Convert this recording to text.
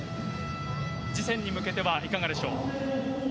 次戦に向けてはいかがでしょう？